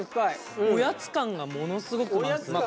おやつ感がものすごく感じる。